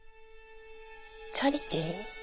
チャリティ？